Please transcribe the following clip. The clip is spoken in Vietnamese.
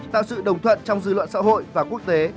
tạo sự đồng thuận trong dư luận xã hội và quốc tế